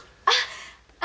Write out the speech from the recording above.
あっ！